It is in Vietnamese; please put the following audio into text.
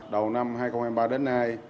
đầu năm hai nghìn hai mươi ba đến nay